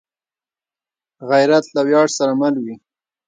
غیرت له ویاړ سره مل وي